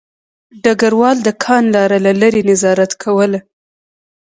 ډګروال د کان لاره له لیرې نظارت کوله